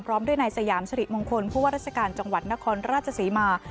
พร้อมด้วยนายสยามสริมงคลผู้ว่าราชการจังหวัดนครราชศรีมา